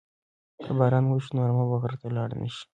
که باران وشي نو رمه به غره ته لاړه نشي.